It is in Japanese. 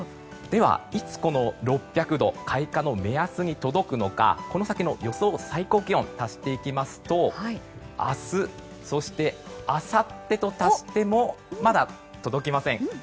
では、いつこの６００度開花の目安に届くのかこの先の予想最高気温を足していきますと明日、そしてあさってと足してもまだ届きません。